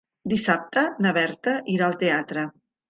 Dissabte na Berta irà al teatre.